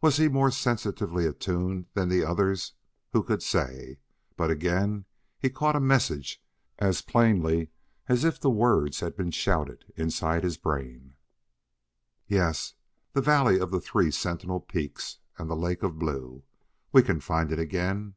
Was he more sensitively attuned than the others? Who could say? But again he caught a message as plainly as if the words had been shouted inside his brain. "Yes, the valley of the three sentinel peaks and the lake of blue; we can find it again.